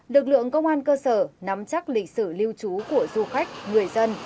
lực lượng công an cơ sở nắm chắc lịch sử lưu trú của du khách người dân